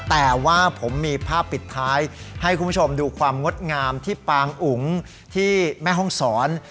แต่ว่าผมมีภาพปิดท้ายให้คุณผู้ชมดูความงดงามที่ปางอุ๋งที่แม่ห้องศร